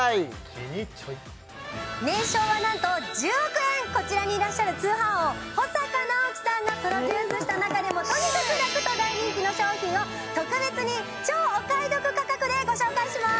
キニチョイこちらにいらっしゃる通販王保阪尚希さんがプロデュースした中でもとにかくラクと大人気の商品を特別に超お買い得価格でご紹介しまーす